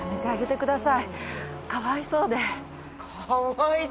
かわいそうで。